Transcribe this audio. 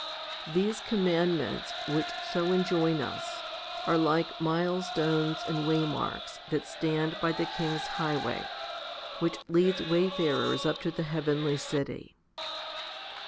These com mandments, which so enjoin us, are like milestones and waymarks that stand by the king's highway, which leads wayfarers up to the heavenly city.